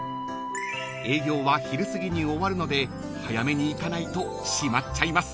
［営業は昼すぎに終わるので早めに行かないと閉まっちゃいます］